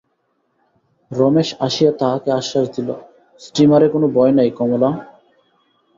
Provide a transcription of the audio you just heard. রমেশ আসিয়া তাহাকে আশ্বাস দিল, স্টীমারে কোনো ভয় নাই কমলা।